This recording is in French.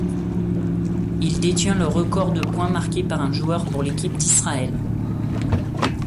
Il détient le record de point marqué par un joueur pour l'équipe d'Israël.